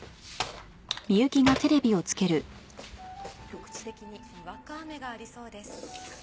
局地的ににわか雨がありそうです。